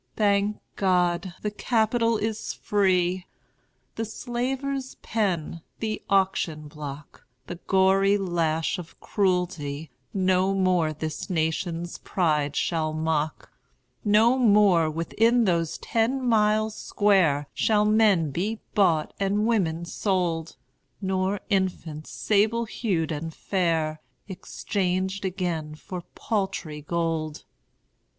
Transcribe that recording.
Thank God, the Capital is free! The slaver's pen, the auction block, The gory lash of cruelty, No more this nation's pride shall mock; No more, within those ten miles square, Shall men be bought and women sold; Nor infants, sable hued and fair, Exchanged again for paltry gold.